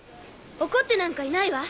怒ってなんかいないわ。